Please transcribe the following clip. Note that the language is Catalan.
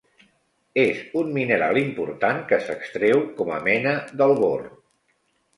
És un mineral important que s'extreu com a mena del bor.